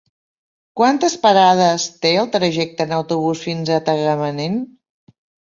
Quantes parades té el trajecte en autobús fins a Tagamanent?